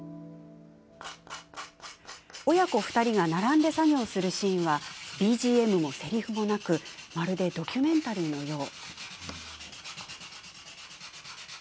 親子２人が並んで作業するシーンはＢＧＭも、せりふもなくまるでドキュメンタリーのよう。